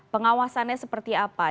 pengawasannya seperti apa